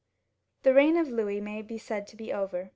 The reign of Louis may be said to be over.